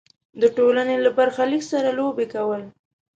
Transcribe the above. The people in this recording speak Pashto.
د ټولنې له برخلیک سره لوبې کول.